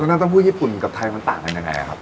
น้ำเต้าหู้ญี่ปุ่นกับไทยมันต่างกันยังไงครับ